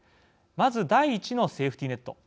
まず、第１のセーフティーネット。